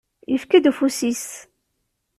Yefka-d ufus-is.